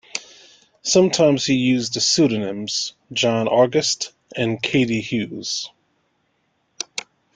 Sometimes he used the pseudonyms "John August" and "Cady Hewes.